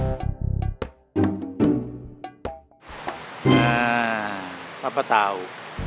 nah papa tahu